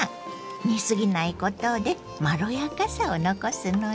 煮すぎないことでまろやかさを残すのよ。